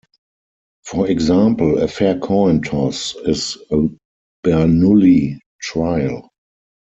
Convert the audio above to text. For example, a fair coin toss is a Bernoulli trial.